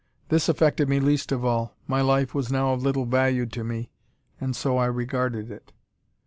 This affected me least of all. My life was now of little value to me, and so I regarded it.